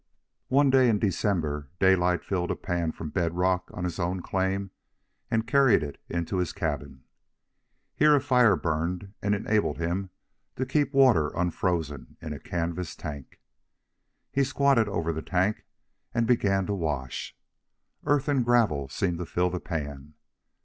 One day in December Daylight filled a pan from bed rock on his own claim and carried it into his cabin. Here a fire burned and enabled him to keep water unfrozen in a canvas tank. He squatted over the tank and began to wash. Earth and gravel seemed to fill the pan.